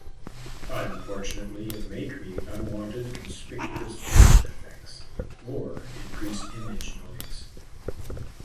Unfortunately, it may create unwanted conspicuous edge effects, or increase image noise.